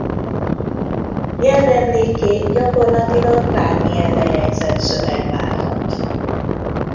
Nyelvemlékké gyakorlatilag bármilyen lejegyzett szöveg válhat.